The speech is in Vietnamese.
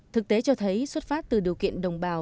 thực tế cho thấy xuất phát từ điều kiện đồng bào